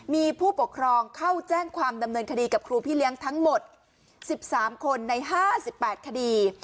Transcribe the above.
มีผู้ปกครองเข้าแจ้งความดำเนินคดีกับครูพี่เลี้ยงทั้งหมด๑๓คนใน๕๘คดี